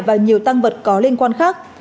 và nhiều tăng vật có liên quan khác